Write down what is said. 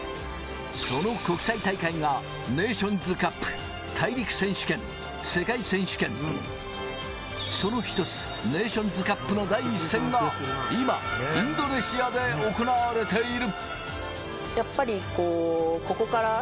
その国際大会がネーションズカップ、大陸選手権、世界選手権、その一つ、ネーションズカップの第１戦が今、インドネシアで行われている。